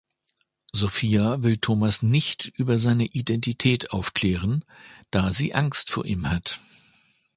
Sofia will Thomas nicht über seine Identität aufklären, da sie Angst vor ihm hat.